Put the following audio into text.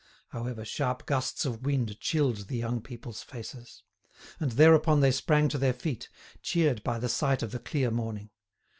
However, sharp gusts of wind chilled the young people's faces. And thereupon they sprang to their feet, cheered by the sight of the clear morning.